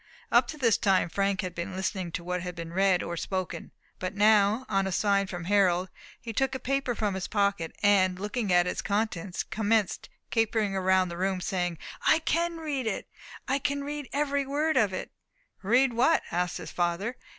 Up to this time Frank had been listening to what had been read or spoken. But now, on a sign from Harold, he took a paper from his pocket, and, looking at its contents, commenced capering round the room, saying, "I can read it I can read every word of it!" "Read what?" asked his father.